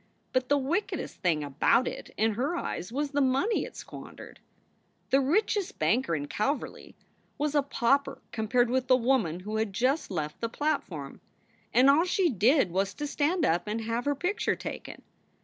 But the wickedest thing about it in her eyes was the money it squandered. The richest banker in Calverly was a pauper compared with the woman who had just left the platform. And all she did was to stand up and have her picture taken.